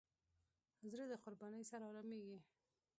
زړه د قربانۍ سره آرامېږي.